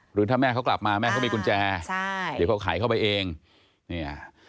หรือถ้าแม่เขากลับมาแม่เขามีกุญแจใช่เดี๋ยวเขาไขเข้าไปเองเนี่ย